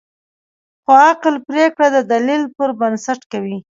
خو عقل پرېکړه د دلیل پر بنسټ کوي.